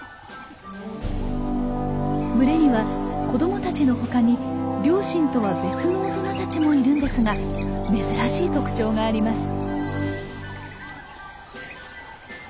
群れには子供たちの他に両親とは別の大人たちもいるんですが珍しい特徴があります。